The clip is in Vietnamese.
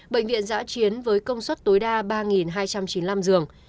bệnh viện giã chiến với công suất tối đa ba hai trăm chín mươi năm giường